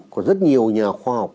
có rất nhiều nhà khoa học